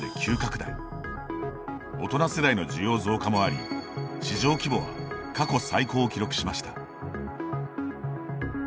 大人世代の需要増加もあり市場規模は過去最高を記録しました。